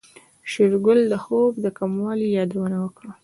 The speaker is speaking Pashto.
شېرګل د خوب د کموالي يادونه وکړه.